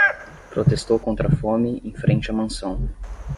Protestou contra a fome em frente à mansão